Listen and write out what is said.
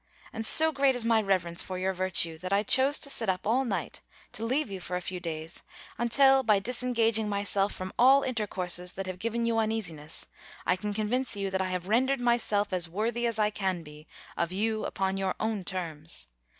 And so great is my reverence for your virtue, that I chose to sit up all night, to leave you for a few days, until, by disengaging myself from all intercourses that have given you uneasiness, I can convince you, that I have rendered myself as worthy as I can be, of you upon your own terms.